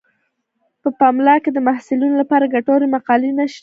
په پملا کې د محصلینو لپاره ګټورې مقالې نشریږي.